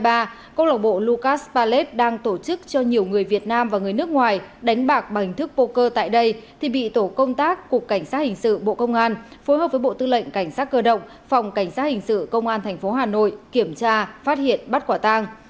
năm hai nghìn hai mươi ba cơ lộc bộ lucas palette đang tổ chức cho nhiều người việt nam và người nước ngoài đánh bạc bằng hình thức poker tại đây thì bị tổ công tác cục cảnh sát hình sự bộ công an phối hợp với bộ tư lệnh cảnh sát cơ động phòng cảnh sát hình sự công an tp hà nội kiểm tra phát hiện bắt quả tang